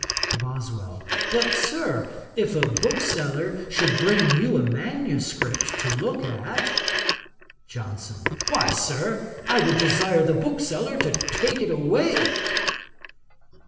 BOSWELL. 'But, Sir, if a bookseller should bring you a manuscript to look at?' JOHNSON. 'Why, Sir, I would desire the bookseller to take it away.'